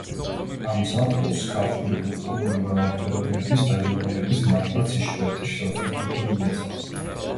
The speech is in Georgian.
ამ ზაფხულს ქართული კულტურული მრავალფეროვნების „დაგემოვნების“ მართლაც იშვიათი შესაძლებლობა მიეცათ.